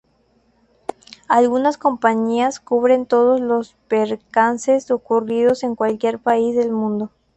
Algunas compañías cubren todos los percances ocurridos en cualquier país del mundo.